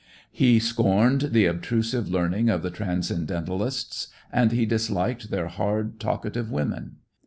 He scorned the obtrusive learning of the transcendentalists and he disliked their hard talkative women.